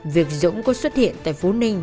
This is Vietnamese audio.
việc dũng có xuất hiện tại phú ninh